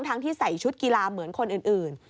ที่ใส่ชุดกีฬาเหมือนคนอื่น